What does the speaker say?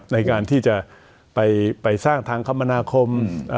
ในการที่จะไปสร้างทางคมนาคม